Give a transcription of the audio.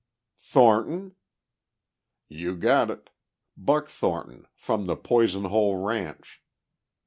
"Thornton?" "You got it. Buck Thornton, from the Poison Hole ranch."